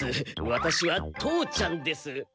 ワタシは父ちゃんです。